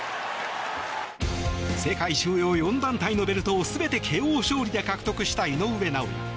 世界主要４団体のベルトを全てＫＯ勝利で格闘した井上尚弥。